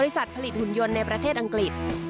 สัตว์ผลิตหุ่นยนต์ในประเทศอังกฤษ